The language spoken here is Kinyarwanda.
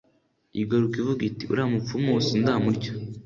igaruka ivuga iti «uriya mupfu mu sindamurya